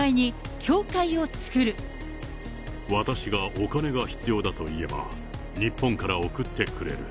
私がお金が必要だと言えば、日本から送ってくれる。